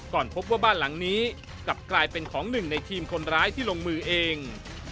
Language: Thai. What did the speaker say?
พบว่าบ้านหลังนี้กลับกลายเป็นของหนึ่งในทีมคนร้ายที่ลงมือเอง